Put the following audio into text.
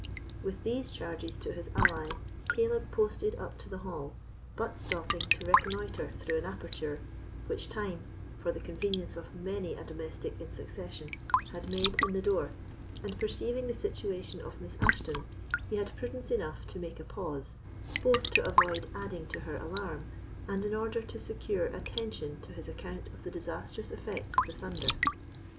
With these charges to his ally, Caleb posted up to the hall, but stopping to reconnoitre through an aperture, which time, for the convenience of many a domestic in succession, had made in the door, and perceiving the situation of Miss Ashton, he had prudence enough to make a pause, both to avoid adding to her alarm and in order to secure attention to his account of the disastrous effects of the thunder.